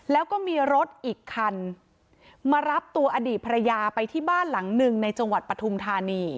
แล้วก็มีรถอีกคันมารับตัวอดีตภรรยาไปที่บ้านหลังหนึ่งในจังหวัดปฐุมธานี